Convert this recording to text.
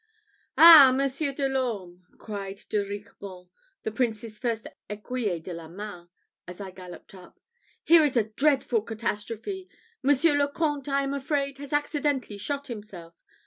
"Ah! Monsieur de l'Orme!" cried de Riquemont, the Prince's first ecuyer de la main, as I galloped up. "Here is a dreadful catastrophe! Monsieur le Comte, I am afraid, has accidentally shot himself.